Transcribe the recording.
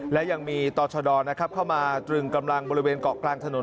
และยังมีต่อชะดอเข้ามาตรึงกำลังบริเวณเกาะกลางถนน